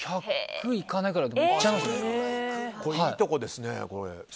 １００いかないぐらいですがいいところですね、これ。